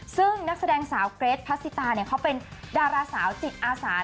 ซึ่งนักแสดงสาวเกรทพัสสิตาเขาเป็นดาราสาวจิตอาสา